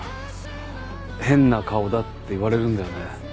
変な顔だって言われるんだよね。